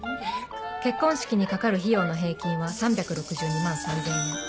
結婚式にかかる費用の平均は３６２万３０００円